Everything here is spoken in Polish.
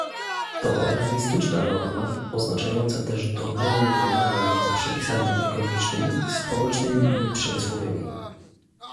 To realistyczna norma, oznaczająca też dobrą równowagę między przepisami ekologicznymi, społecznymi i przemysłowymi